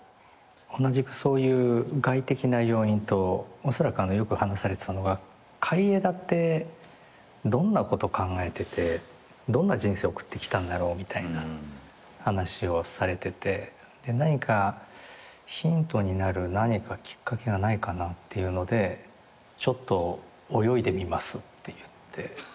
同じくそういう外的な要因とおそらくよく話されてたのが海江田ってどんなこと考えててどんな人生送ってきたんだろうみたいな話をされててヒントになる何かきっかけがないかなっていうのでちょっと泳いでみますって言って。